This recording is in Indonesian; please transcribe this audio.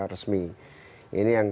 resmi ini yang